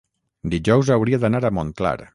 dijous hauria d'anar a Montclar.